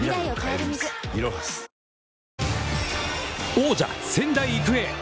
王者・仙台育英。